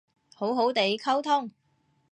好好哋溝通